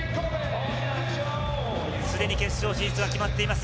すでに決勝進出が決まっています。